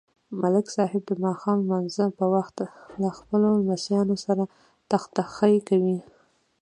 ملک صاحب د ماښام نمانځه په وخت له خپلو لمسیانو سره ټخټخی کوي.